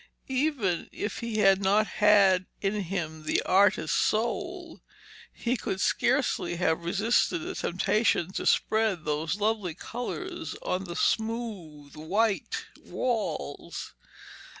Even if he had not had in him the artist soul, he could scarcely have resisted the temptation to spread those lovely colours on the smooth white walls.